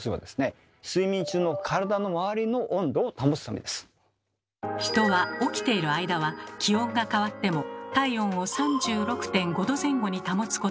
睡眠中の人は起きている間は気温が変わっても体温を３６．５℃前後に保つことができます。